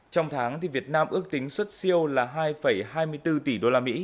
trong tháng việt nam ước tính xuất siêu là hai hai mươi bốn tỷ usd